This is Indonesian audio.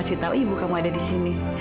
akhirnya kamu berdua